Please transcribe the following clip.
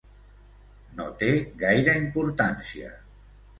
No té gaire importància.